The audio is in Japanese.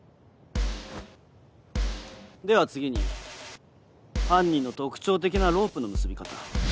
では次に犯人の特徴的なロープの結び方。